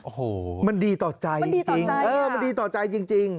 โอ้โหมันดีต่อใจจริง